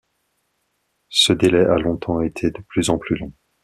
Ce délai a longtemps été de plus en plus long.